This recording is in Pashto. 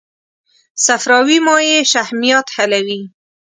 صفراوي مایع شحمیات حلوي.